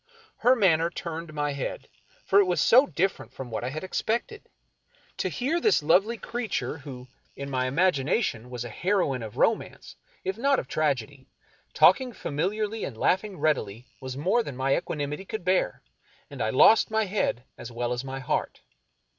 Her manner turned my head, for it was so different from what I had expected. To hear this lovely creature, who, 39 American Mystery Stories in my imagination, was a heroine of romance, if not of tragedy, talking familiarly and laughing readily was more than my equanimity could bear, and I lost my head as well as my heart.